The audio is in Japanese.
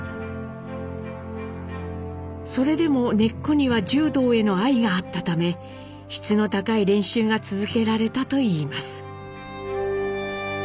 それでも根っこには柔道への愛があったため質の高い練習が続けられたといいます。